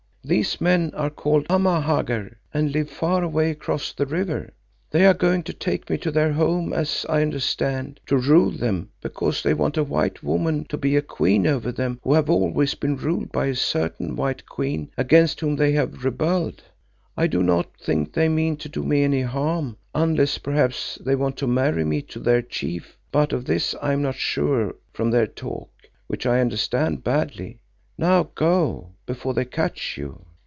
These men are called Amahagger and live far away across the river. They are going to take me to their home, as I understand, to rule them, because they want a white woman to be a queen over them who have always been ruled by a certain white queen, against whom they have rebelled. I do not think they mean to do me any harm, unless perhaps they want to marry me to their chief, but of this I am not sure from their talk which I understand badly. Now go, before they catch you.